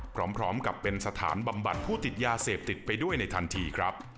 พร้อมกับเป็นสถานบำบัดผู้ติดยาเสพติดไปด้วยในทันทีครับ